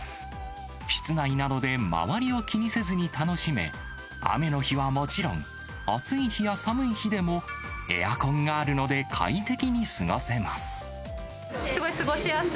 室内なので、周りを気にせずに楽しめ、雨の日はもちろん、暑い日や寒い日でも、エアコンがあるので快適に過ごせます。